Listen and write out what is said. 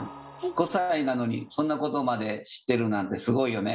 ５歳なのにそんなことまで知ってるなんてすごいよね。